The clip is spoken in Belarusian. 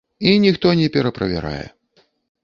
І ніхто не пераправярае.